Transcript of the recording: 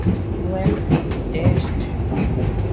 Well, I'm dashed.